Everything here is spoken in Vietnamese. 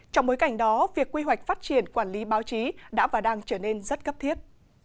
trong bối cảnh đó việc quy hoạch phát triển quản lý báo chí đã và đang trở nên rất cấp thiết